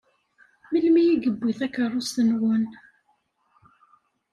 Melmi i yewwi takeṛṛust-nwen?